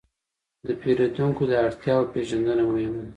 د پیرودونکو د اړتیاوو پېژندنه مهمه ده.